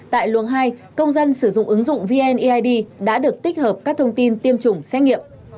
tại luồng hai công dân sử dụng ứng dụng vneid đã được tích hợp các thông tin tiêm chủng xét nghiệm